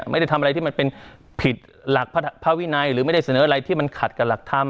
ไม่ได้ทำอะไรที่ผิดหลักภวินัยหรือจะแสนออะไรที่ขาดการหลักธรรม